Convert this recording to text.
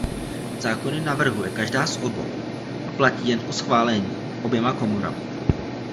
Zákony navrhuje každá z obou a platí jen po schválení oběma komorami.